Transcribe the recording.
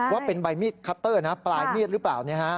ว่าเป็นใบมีดคัตเตอร์นะปลายมีดหรือเปล่า